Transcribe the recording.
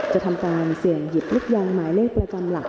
จะทำการเสี่ยงหยิบลูกยางหมายเลขประจำหลัก